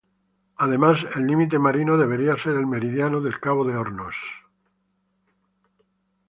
Además, el límite marino debía ser el meridiano del Cabo de Hornos.